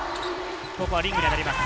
ここはリングに当たります。